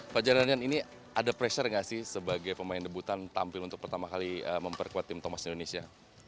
fajar dan rian ini ada pressure gak sih sebagai pemain debutan tampil untuk pertama kali memperkuat tim thomas indonesia